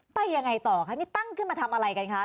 ไปยังไงต่อคะนี่ตั้งขึ้นมาทำอะไรกันคะ